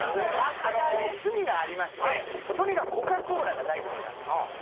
あの趣味がありましてとにかくコカ・コーラが大好きなんですよ。